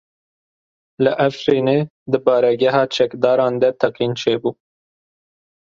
Li Efrînê di baregeha çekdaran de teqîn çêbû.